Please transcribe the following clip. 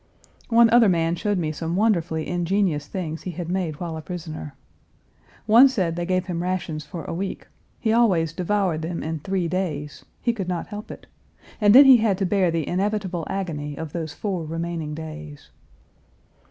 One other man showed me some wonderfully ingenious things he had made while a prisoner. One said they gave him rations for a week; he always devoured them in three days, he could not help it; and then he had to bear the inevitable agony of those four remaining days!